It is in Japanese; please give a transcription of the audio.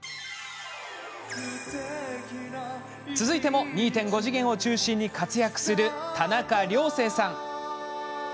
続いても、２．５次元を中心に活躍する田中涼星さん。